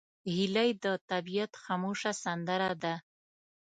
هیلۍ د طبیعت خاموشه سندره ده